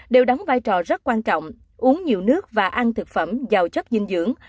đều đóng vai trò rất quan trọng uống nhiều nước và ăn thực phẩm giàu chất dinh dưỡng